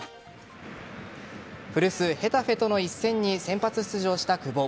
古巣・ヘタフェとの一戦に先発出場した久保。